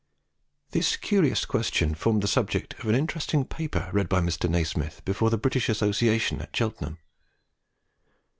This curious question formed the subject of an interesting paper read by Mr. Nasmyth before the British Association at Cheltenham.